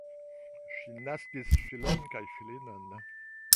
Ŝi naskis filon kaj filinon.